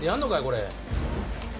これ。